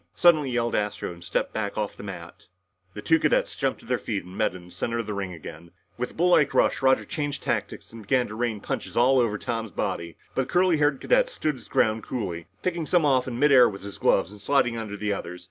suddenly yelled Astro and stepped back off the mat. The two cadets jumped to their feet and met in the center of the ring again. With a bull like rush, Roger changed tactics and began to rain punches all over Tom's body, but the curly haired cadet stood his ground coolly, picking some off in mid air with his gloves and sliding under the others.